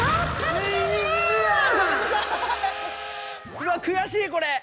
うわ悔しいこれ！